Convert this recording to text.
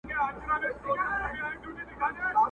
چي مجبور یې قلندر په کرامت کړ!.